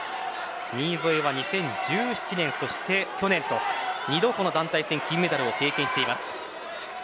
新添は２０１７年そして去年と２度団体戦の金メダルを経験しています。